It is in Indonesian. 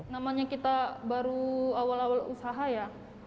namanya kita baru awal awal usaha ya